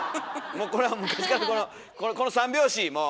もうこれは昔からこの三拍子もう！